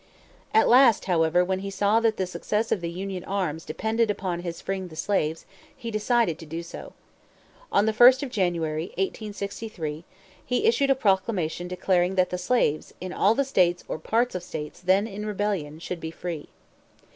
At last, however, when he saw that the success of the Union arms depended upon his freeing the slaves, he decided to do so. On the 1st of January, 1863, he issued a proclamation declaring that the slaves, in all the states or parts of states then in rebellion, should be free.